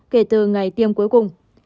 kể từ ngày tiêm cuối cùng